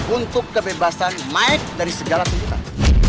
untuk kebebasan mike dari segala tuntutan